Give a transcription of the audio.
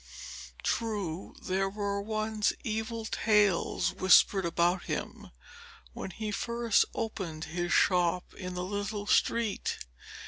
True, there were once evil tales whispered about him when he first opened his shop in the little street.